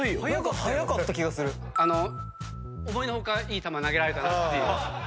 あの思いの外いい球投げられたなっていう。